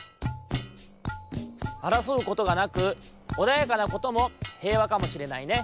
あらそうことがなくおだやかなことも平和かもしれないね。